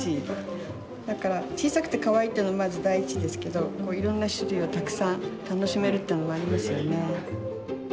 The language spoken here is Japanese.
だから小さくてかわいいっていうのまず第一ですけどこういろんな種類をたくさん楽しめるっていうのもありますよね。